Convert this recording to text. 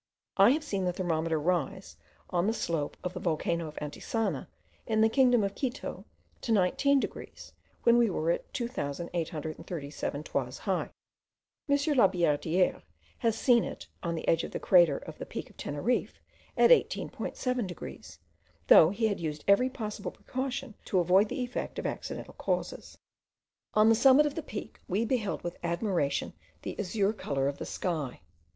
I have seen the thermometer rise, on the slope of the volcano of Antisana, in the kingdom of Quito, to 19 degrees, when we were 2837 toises high. M. Labillardiere has seen it, on the edge of the crater of the peak of Teneriffe, at 18.7 degrees, though he had used every possible precaution to avoid the effect of accidental causes. On the summit of the Peak, we beheld with admiration the azure colour of the sky.